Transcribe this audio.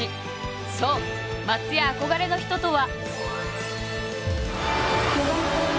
そう松也憧れの人とは。